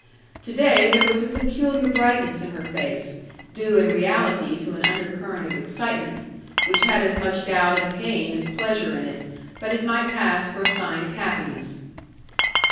To day there was a peculiar brightness in her face, due in reality to an undercurrent of excitement, which had as much doubt and pain as pleasure in it; but it might pass for a sign of happiness.